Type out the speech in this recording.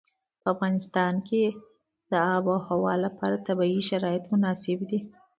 په افغانستان کې د آب وهوا لپاره طبیعي شرایط مناسب دي.